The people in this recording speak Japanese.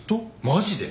マジで！？